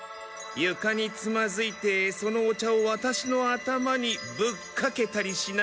ゆかにつまずいてそのお茶をワタシの頭にぶっかけたりしないでしょうねえ？